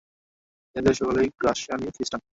এদের সকলেই গাসসানী খ্রিষ্টান।